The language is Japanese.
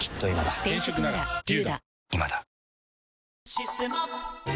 「システマ」